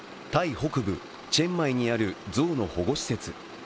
北部チェンマイにあるゾウの保護施設。